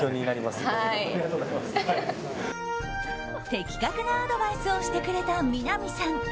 的確なアドバイスをしてくれたみな実さん。